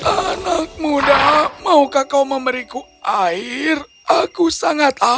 anak muda maukah kau memberiku air aku sangat alami